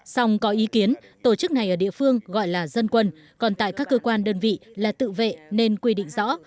song có ý kiến tổ chức này ở địa phương gọi là dân quân còn tại các cơ quan đơn vị là tự vệ nên quy định rõ